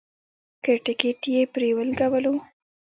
که ټکټ یې پرې ولګولو.